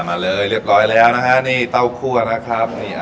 มาเลยเรียบร้อยแล้วนะฮะนี่เต้าคั่วนะครับ